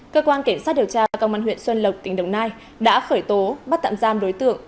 cơ quan cảnh sát điều tra công an huyện xuân lộc tỉnh đồng nai đã khởi tố bắt tạm giam đối tượng